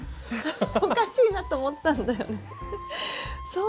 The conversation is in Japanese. おかしいなと思ったんだよね。